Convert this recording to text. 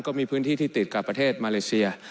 ก็มีพื้นที่ที่ติดกับประเทศมาเลเซีย